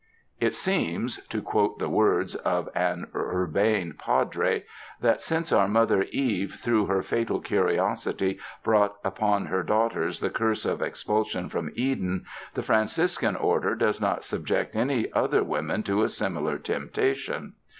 "It seems," to quote the words of an urbane Padre, "ihat since our Mother Eve through her fatal curi osity brought upon her daughters the curse of ex pulsion from Eden, the Franciscan Order does not subject any other woman to a similar temptation."